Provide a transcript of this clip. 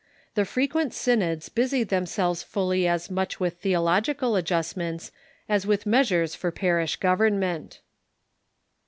The frequent synods busied them selves fully as much with theological adjustments as with measures for parish government.